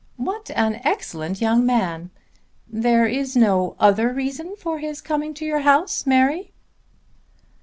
"What an excellent young man! There is no other reason for his coming to your house, Mary?"